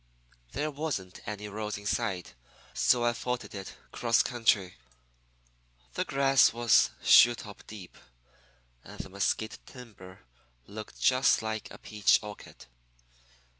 "There wasn't any roads in sight, so I footed it 'cross country. The grass was shoe top deep, and the mesquite timber looked just like a peach orchard.